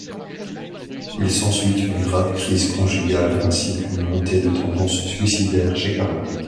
Il s'ensuit une grave crise conjugale ainsi qu'une montée de tendance suicidaire chez Carla.